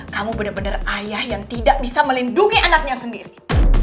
kamu benar benar ayah yang tidak bisa melindungi anaknya sendiri